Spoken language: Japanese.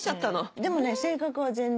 でもね性格は全然。